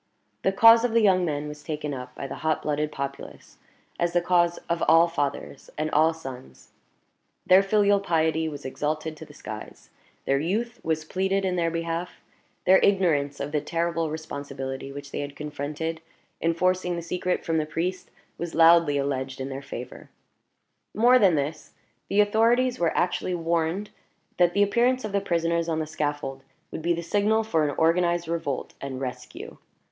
The cause of the young men was taken up by the hot blooded populace, as the cause of all fathers and all sons; their filial piety was exalted to the skies; their youth was pleaded in their behalf; their ignorance of the terrible responsibility which they had confronted in forcing the secret from the priest was loudly alleged in their favor. More than this, the authorities were actually warned that the appearance of the prisoners on the scaffold would be the signal for an organized revolt and rescue.